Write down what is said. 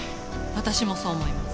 私もそう思います。